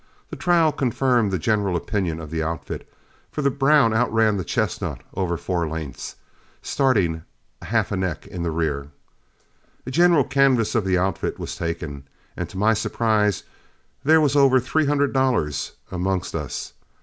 The trial confirmed the general opinion of the outfit, for the brown outran the chestnut over four lengths, starting half a neck in the rear. A general canvass of the outfit was taken, and to my surprise there was over three hundred dollars amongst us.